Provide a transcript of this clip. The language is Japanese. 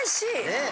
ねえ。